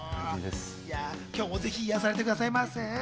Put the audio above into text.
今日もぜひ癒やされてください。